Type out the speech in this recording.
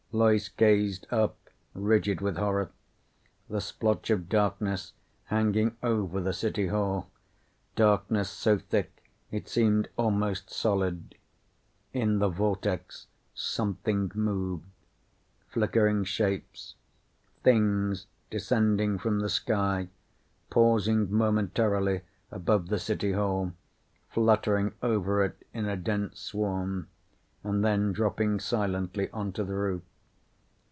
Loyce gazed up, rigid with horror. The splotch of darkness, hanging over the City Hall. Darkness so thick it seemed almost solid. In the vortex something moved. Flickering shapes. Things, descending from the sky, pausing momentarily above the City Hall, fluttering over it in a dense swarm and then dropping silently onto the roof.